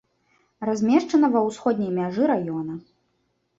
Размешчана ва ўсходняй мяжы раёна.